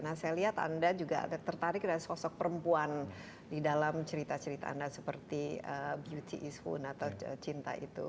nah saya lihat anda juga tertarik dari sosok perempuan di dalam cerita cerita anda seperti beauty isfon atau cinta itu